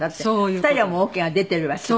２人はもうオーケーが出ているわけで。